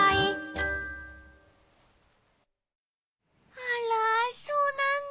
あらそうなんだ。